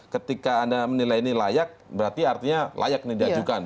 ketika anda menilai ini layak berarti artinya layak ini diajukan